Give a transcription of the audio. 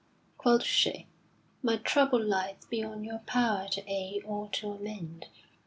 quoth she, "my trouble lieth beyond your power to aid or to amend.